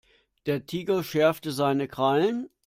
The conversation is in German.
Der Tiger schärfte seine Krallen.